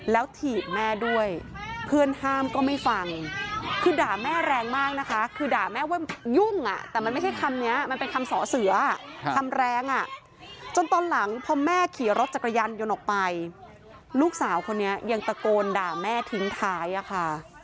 แล้วถีบแม่ด้วยเพื่อนห้ามก็ไม่ฟังคือด่าแม่แรงมากนะคะคือด่าแม่ว่ายุ่งอ่ะแต่มันไม่ใช่คำนี้มันเป็นคำสอเสือคำแรงอ่ะจนตอนหลังพอแม่ขี่รถจักรยานยนต์ออกไปลูกสาวคนนี้ยังตะโกนด่าแม่ทิ้งท้ายอะค่ะ